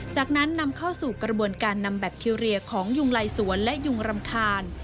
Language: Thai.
จากนั้นนำเข้าสู่กระบวนการนำแบคทีเรียของยุงไลสวนและยุงรำคาญ